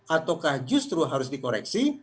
ataukah justru harus dikoreksi